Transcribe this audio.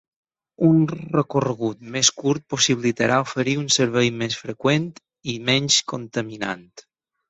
Un recorregut més curt possibilitarà oferir un servei més freqüent i menys contaminant.